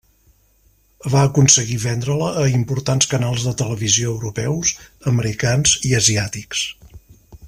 Va aconseguir vendre-la a importants canals de televisió europeus, americans i asiàtics.